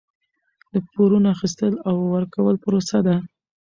د پورونو اخیستل او ورکول پروسه ده.